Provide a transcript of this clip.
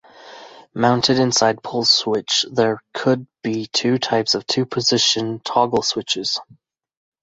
Mounted inside a pull switch, there could be two types of two-position toggle switches.